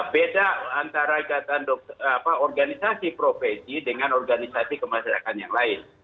beda antara organisasi profesi dengan organisasi kemasyarakat yang lain